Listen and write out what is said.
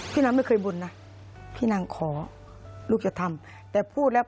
พระพระพุทธคือพระพุทธคือพระพุทธคือ